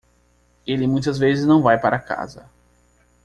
Ele muitas vezes não vai para casa